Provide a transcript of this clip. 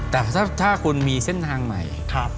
แต่ถ้าคุณมีเส้นทางใหม่